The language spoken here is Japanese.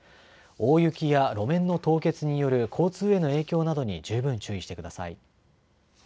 大雪や路面の凍結による交通への影響などに十分注意してください。